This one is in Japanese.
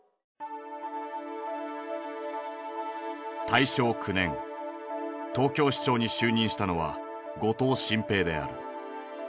大正９年東京市長に就任したのは後藤新平である。